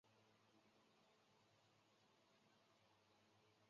普奈勒斯蒂大道向东通往古代城市从该城向东南延伸。